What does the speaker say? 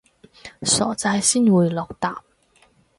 傻仔先會落疊